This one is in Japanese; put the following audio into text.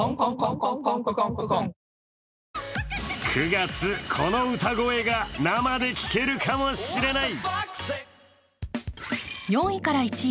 ９月、この歌声が生で聞けるかもしれない。